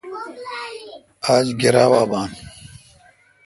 آج گرا وا بان۔